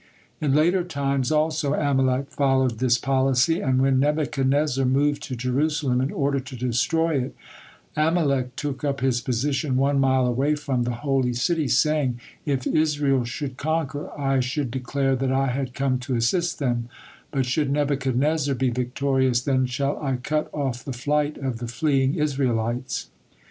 In later times also Amalek followed this policy, and when Nebuchadnezzar moved to Jerusalem in order to destroy it, Amalek took up his position one mile away from the holy city, saying: "If Israel should conquer, I should declare that I had come to assist them, but should Nebuchadnezzar be victorious, then shall I cut off the flight of the fleeing Israelites."